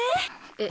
えっ？